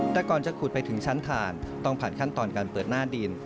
แต่ก่อนจะขุดไปถึงชั้นฐานต้องผ่านขั้นตอนการเปิดหน้าดิน